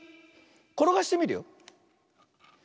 ころがしてみるよ。